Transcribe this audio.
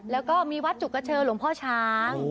แล้วก็มีวัดจุกเชอหลวงพ่อช้าง